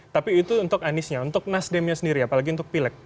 tapi itu untuk aniesnya untuk nasdemnya sendiri apalagi untuk pileg